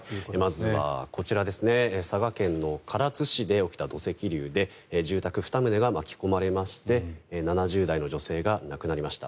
まずはこちら佐賀県唐津市で起きた土石流で住宅２棟が巻き込まれまして７０代女性が亡くなりました。